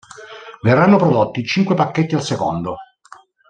Verranno prodotti cinque pacchetti al secondo.